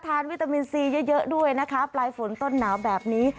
วิตามินซีเยอะด้วยนะคะปลายฝนต้นหนาวแบบนี้